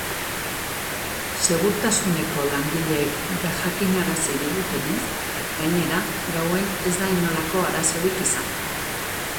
Segurtasuneko langileek jakinarazi digutenez, gainera, gauean ez da inolako arazorik izan.